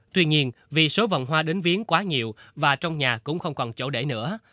tuy nhiên vì số vòng hoa đến viến quá nhiều và trong nhà cũng không còn chỗ để nữa